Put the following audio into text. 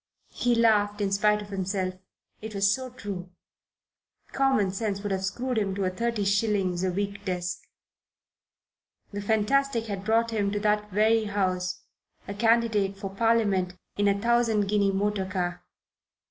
He laughed in spite of himself. It was so true. Common sense might have screwed him to a thirty shillings a week desk: the fantastic had brought him to that very house, a candidate for Parliament, in a thousand guinea motor car.